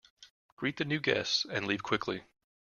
Greet the new guests and leave quickly.